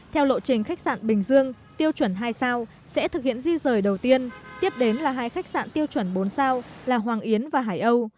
theo lộ trình khách sạn bình dương tiêu chuẩn hai sao sẽ thực hiện di rời đầu tiên tiếp đến là hai khách sạn tiêu chuẩn bốn sao là hoàng yến và hải âu